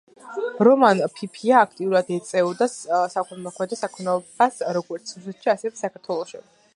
რომან ფიფია აქტიურად ეწეოდა საქველმოქმედო საქმიანობას როგორც რუსეთში, ასევე საქართველოში.